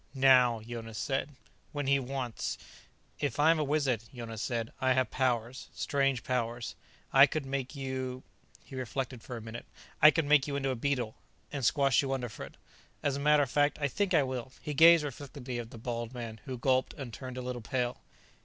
"Now," Jonas said. "When he wants " "If I am a wizard," Jonas said, "I have powers. Strange powers. I could make you " He reflected for a minute. "I could make you into a beetle, and squash you underfoot. As a matter of fact, I think I will." He gazed reflectively at the bald man, who gulped and turned a little pale.